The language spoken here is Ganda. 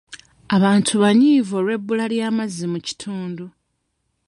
Abantu banyiivu olw'ebbula ly'amazzi mu kitundu.